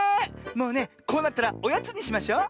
もうねこうなったらおやつにしましょう。